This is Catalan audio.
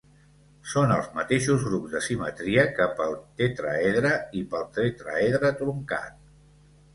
Són els mateixos grups de simetria que pel tetràedre i pel tetràedre truncat.